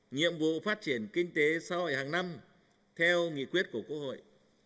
nhiệm vụ phát triển kinh tế sau hồi hàng năm theo nghị quyết của quốc hội